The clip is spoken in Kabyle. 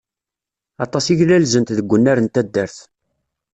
Aṭas i glalzent deg wannar n taddart.